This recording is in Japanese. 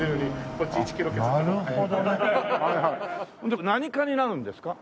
で何科になるんですか？